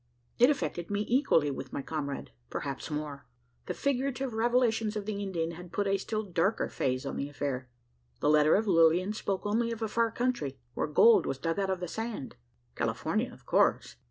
It affected me equally with my comrade perhaps more. The figurative revelations of the Indian had put a still darker phase on the affair. The letter of Lilian spoke only of a far country, where gold was dug out of the sand. California, of course.